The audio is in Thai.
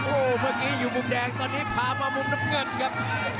โอ้โหเมื่อกี้อยู่มุมแดงตอนนี้พามามุมน้ำเงินครับ